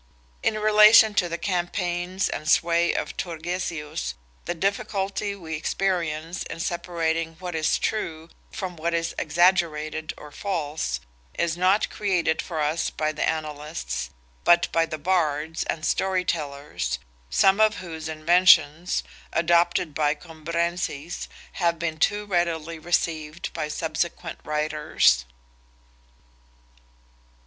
In relation to the campaigns and sway of Turgesius, the difficulty we experience in separating what is true from what is exaggerated or false, is not created for us by the annalists, but by the bards and story tellers, some of whose inventions, adopted by Cambrensis, have been too readily received by subsequent writers.